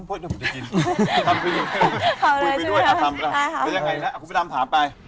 พูดไปด้วยคุณพิดำถามไป